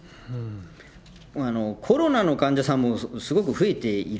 コロナの患者さんもすごく増えている。